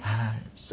そう。